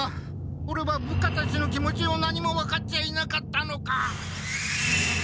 オレは部下たちの気持ちを何も分かっちゃいなかったのか！